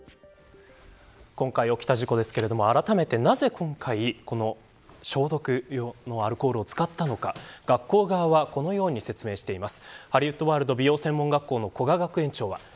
今回起きた事故ですけどあらためて、なぜ今回消毒用のアルコールを使ったのか学校側はこのように説明しています。